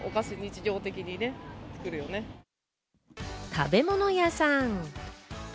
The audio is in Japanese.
食べ物屋さん。